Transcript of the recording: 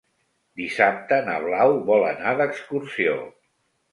Dissabte na Blau vol anar d'excursió.